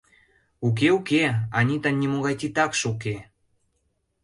Уке-уке, Анитан нимогай титакше уке.